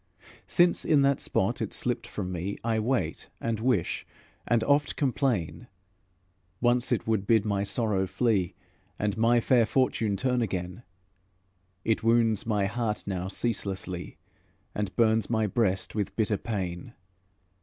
Since in that spot it slipped from me I wait, and wish, and oft complain; Once it would bid my sorrow flee, And my fair fortune turn again; It wounds my heart now ceaselessly, And burns my breast with bitter pain.